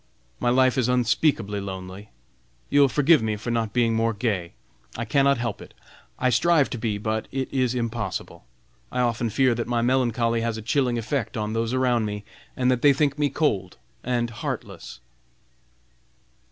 My life is unspeakably lonely. You will forgive me for not being more gay; I cannot help it! I strive to be, but it is impossible. I often fear that my melancholy has a chilling effect on those around me, and that they think me cold and heartless!"